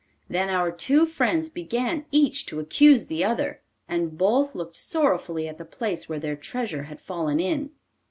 Then our two friends began each to accuse the other, and both looked sorrowfully at the place where their treasure had fallen in.